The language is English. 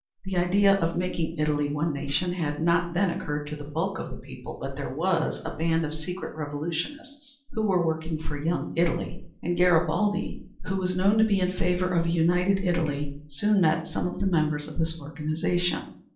The idea of making Italy one nation had not then occurred to the bulk of the people, but there was a band of secret revolutionists who were working for "Young Italy" and Garibaldi, who was known to be in favor of a united Italy, soon met some of the members of this organization.